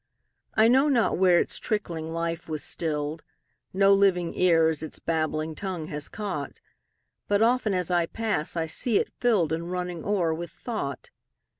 I know not where its trickling life was still'd; No living ears its babbling tongue has caught; But often, as I pass, I see it fill'dAnd running o'er with thought.